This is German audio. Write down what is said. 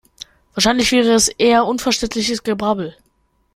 Wahrscheinlich wäre es eher unverständliches Gebrabbel.